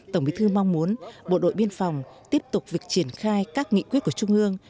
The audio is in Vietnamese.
tổng bí thư mong muốn bộ đội biên phòng tiếp tục việc triển khai các nghị quyết của trung ương